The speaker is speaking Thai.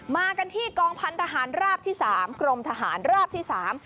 มากันที่กองพันธหารราบที่สามกรมทหารราบที่สาม